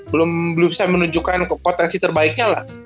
belum bisa menunjukkan potensi terbaiknya lah